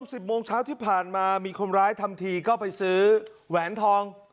สิบโมงเช้าที่ผ่านมามีคนร้ายทำทีก็ไปซื้อแหวนทอง